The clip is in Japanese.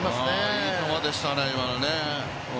いい球でしたね、今のね。